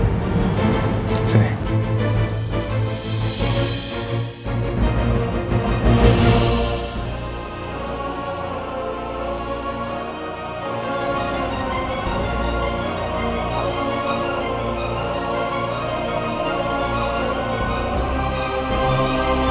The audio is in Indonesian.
dan epic hebat lkw dongula